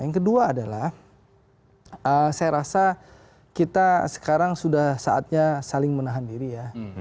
yang kedua adalah saya rasa kita sekarang sudah saatnya saling menahan diri ya